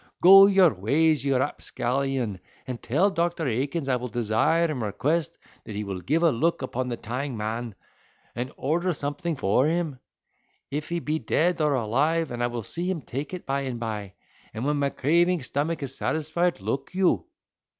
Go your ways, you rapscallion, and tell Doctor Atkins that I desire and request that he will give a look upon the tying man, and order something for him, if he be dead or alive, and I will see him take it by and by, when my craving stomach is satisfied, look you."